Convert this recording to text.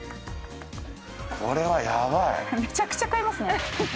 めちゃくちゃ買いますね。